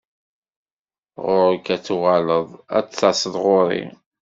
Ɣur-k ad tuɣaleḍ ad d-taseḍ ɣur-i.